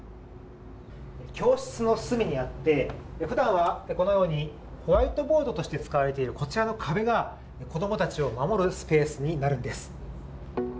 教室のすみにあって、普段はこのようにホワイトボードとして使われているこちらの壁が子供たちを守るスペースになるんです。